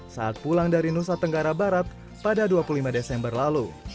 saat pulang dari nusa tenggara barat pada dua puluh lima desember lalu